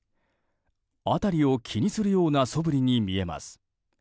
辺りを気にするようなそぶりに見えます。